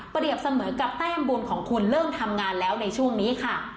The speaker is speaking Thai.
เสมอกับแต้มบุญของคุณเลิกทำงานแล้วในช่วงนี้ค่ะ